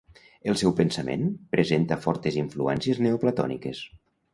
El seu pensament presenta fortes influències neoplatòniques.